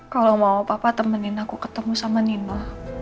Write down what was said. kalau mau papa temenin aku ketemu sama nino